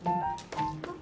あっ。